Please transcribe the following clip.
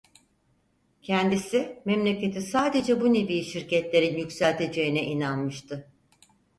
Kendisi, memleketi sadece bu nevi şirketlerin yükselteceğine inanmıştı.